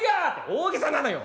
「大げさなのよ